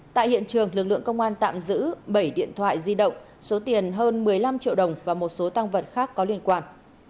tại hiện trường lực lượng công an tạm giữ bảy điện thoại di động số tiền hơn một mươi năm triệu đồng và một số tăng vật khác có liên quan